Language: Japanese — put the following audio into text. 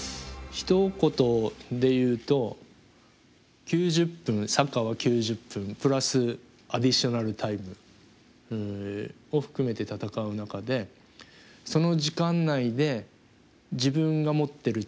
ひと言で言うと９０分サッカーは９０分プラスアディショナルタイムを含めて戦う中でその時間内で自分が持ってる力